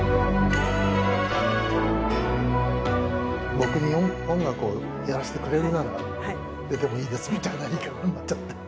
僕に音楽をやらせてくれるなら出てもいいですみたいな言い方になっちゃって。